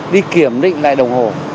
đi kiểm định lại đồng hồ